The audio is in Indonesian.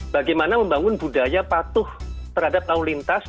bagaimana membangun budaya patuh terhadap lalu lintas